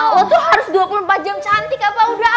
oh tuh harus dua puluh empat jam cantik apa udah